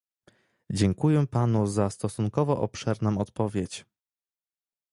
Dziękuję panu za stosunkowo obszerną odpowiedź